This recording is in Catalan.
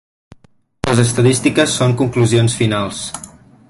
Les estadístiques són conclusions finals.